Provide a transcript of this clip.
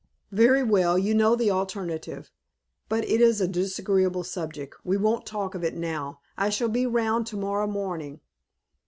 "Very well, you know the alternative. But it is a disagreeable subject. We won't talk of it now; I shall be round to morrow morning.